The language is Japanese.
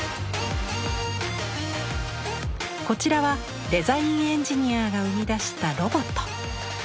こちらはデザインエンジニアが生み出したロボット。